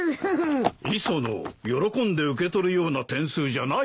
磯野喜んで受け取るような点数じゃないぞ。